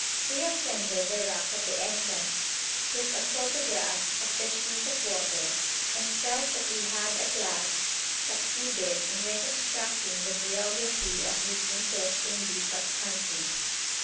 We ascended the rock at the entrance, took a photograph of the sheet of water, and felt that we had at last succeeded in reconstructing the geography of this interesting bit of country.